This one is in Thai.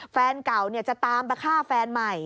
แฟนเก่าจะตามไปฆ่าแฟนใหม่